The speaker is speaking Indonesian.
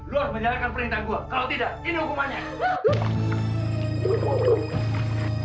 lu harus menyalahkan perintah gue